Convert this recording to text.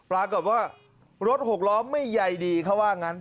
ร้านว่ารถหกล้อไม่ใหญ่ดีเขาว่าอย่างนั้น